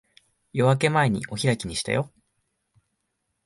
夜明け前にお開きにしたよ。